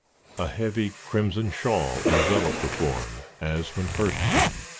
A heavy crimson shawl enveloped the form, as when first seen.